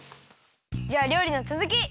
じゃありょうりのつづき！